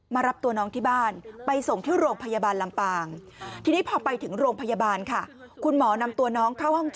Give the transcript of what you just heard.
มารับตัวน้องที่บ้านไปส่งที่โรงพยาบาลลำปาง